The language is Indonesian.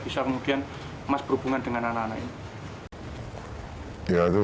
betapa umur diri mereka berapa keinginan mereka semua jenis